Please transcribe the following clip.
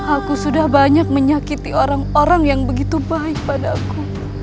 aku sudah banyak menyakiti orang orang yang begitu baik padaku